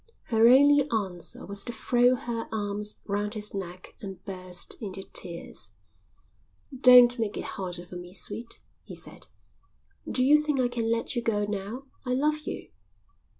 Her only answer was to throw her arms round his neck and burst into tears. "Don't make it harder for me, sweet," he said. "Do you think I can let you go now? I love you."